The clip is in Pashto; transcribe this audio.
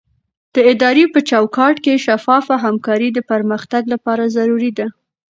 د ادارې په چوکاټ کې شفافه همکاري د پرمختګ لپاره ضروري ده.